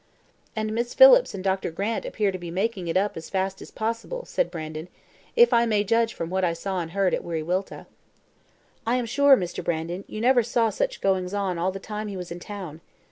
"And Miss Phillips and Dr. Grant appear to be making it up as fast as possible," said Brandon, "if I may judge from what I saw and heard at Wiriwilta." "I am sure, Mr. Brandon, you never saw such goings on all the time he was in town.